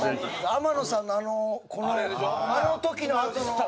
天野さんのあのあの時のあとの。